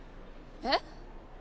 えっ？